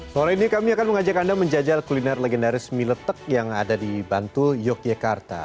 sore ini kami akan mengajak anda menjajal kuliner legendaris mie letek yang ada di bantul yogyakarta